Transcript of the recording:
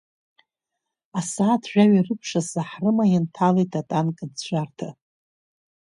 Асааҭ жәаҩа рыбжазы ҳрыма инҭалеит атанк ӡәӡәарҭа.